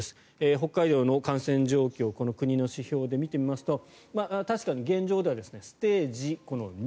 北海道の感染状況国の指標で見ていきますと確かに現状ではステージ２。